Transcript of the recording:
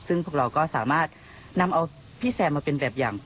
ซึ่งพวกเราก็สามารถนำเอาพี่แซมมาเป็นแบบอย่าง